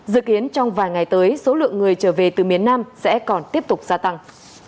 dự kiến trong vài ngày tới số lượng người trở về từ miền nam sẽ còn tiếp tục gia tăng